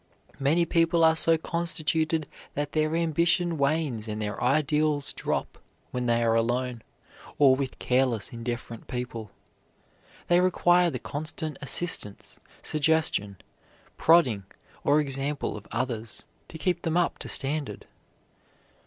Many people are so constituted that their ambition wanes and their ideals drop when they are alone, or with careless, indifferent people. They require the constant assistance, suggestion, prodding, or example of others to keep them up to standard.